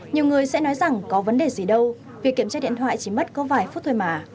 nhiều người sẽ nói rằng có vấn đề gì đâu việc kiểm tra điện thoại chỉ mất có vài phút thôi mà